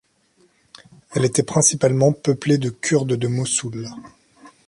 Elle était principalement peuplée de kurdes de Mossoul.